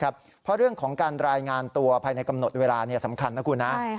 เพราะเรื่องของการรายงานตัวภายในกำหนดเวลาสำคัญนะคุณนะ